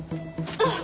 あっ！